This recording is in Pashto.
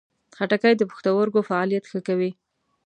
خټکی د پښتورګو فعالیت ښه کوي.